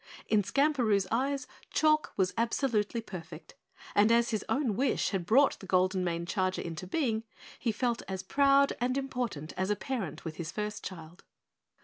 In Skamperoo's eyes Chalk was absolutely perfect, and as his own wish had brought the golden maned charger into being, he felt proud and important as a parent with his first child.